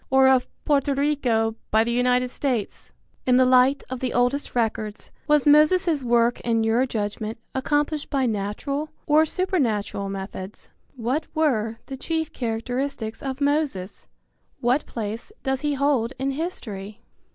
Or of Porto Rico by the United States? In the light of the oldest records, was Moses' work in your judgment accomplished by natural or supernatural methods? What were the chief characteristics of Moses? What place does he hold in history?